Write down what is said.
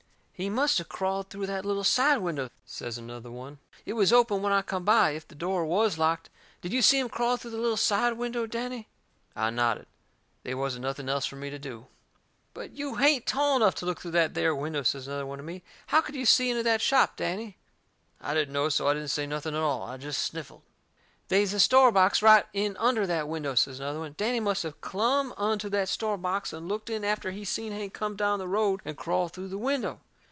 "He must of crawled through that little side window," says another one. "It was open when I come by, if the door WAS locked. Did you see him crawl through the little side window, Danny?" I nodded. They wasn't nothing else fur me to do. "But YOU hain't tall enough to look through that there window," says another one to me. "How could you see into that shop, Danny?" I didn't know, so I didn't say nothing at all; I jest sniffled. "They is a store box right in under that window," says another one. "Danny must have clumb onto that store box and looked in after he seen Hank come down the road and crawl through the window.